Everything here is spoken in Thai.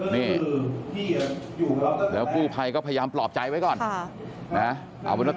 นี่แล้วกู้ภัยก็พยายามปลอบใจไว้ก่อนเอาเป็นว่า